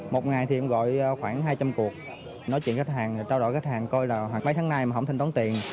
một ngày thì em gọi khoảng hai trăm linh cuộc nói chuyện với khách hàng trao đổi với khách hàng coi là mấy tháng nay mà không hình tón tiền